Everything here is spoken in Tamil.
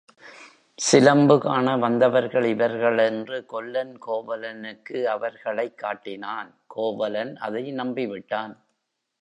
சிலம்பு காண வந்தவர்கள் இவர்கள் என்று கொல்லன் கோவலனுக்கு அவர்களைக் காட்டினான் கோவலன் அதை நம்பிவிட்டான்.